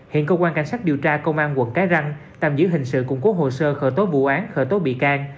hiện cơ quan cảnh sát điều tra công an quận cái răng tạm giữ hình sự củng cố hồ sơ khởi tố vụ án khởi tố bị can